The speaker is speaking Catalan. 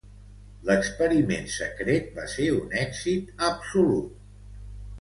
L'experiment secret va ser un èxit absolut.